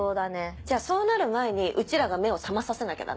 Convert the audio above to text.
じゃあそうなる前にうちらが目を覚まさせなきゃだね。